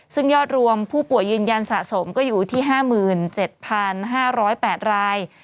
ซึ่งยอดรวมผู้ป่วยยืนยันสะสมก็อยู่ที่๕๗๕๐๘ราย